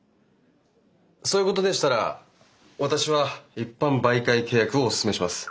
そういうことでしたら私は一般媒介契約をおすすめします。